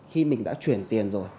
khi mình đã chuyển tiền rồi